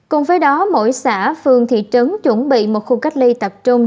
cùng với đó mỗi xã phường thị trấn chuẩn bị một khu cách ly tập trung